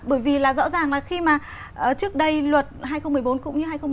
bởi vì là rõ ràng là khi mà trước đây luật hai nghìn một mươi bốn cũng như hai nghìn một mươi